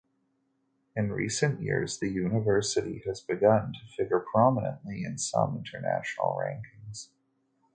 In recent years, the university has begun to figure prominently in some international rankings.